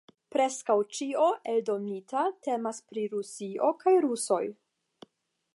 Preskaŭ ĉio eldonita temas pri Rusio kaj rusoj.